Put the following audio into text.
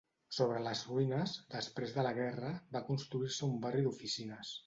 Sobre les ruïnes, després de la guerra, va construir-se un barri d'oficines.